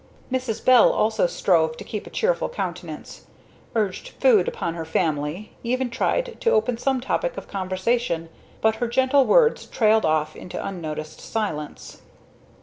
Mrs. Bell also strove to keep a cheerful countenance; urged food upon her family; even tried to open some topic of conversation; but her gentle words trailed off into unnoticed silence.